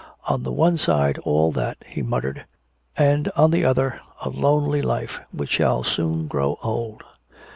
"On the one side, all that," he muttered, "and on the other, a lonely life which will soon grow old."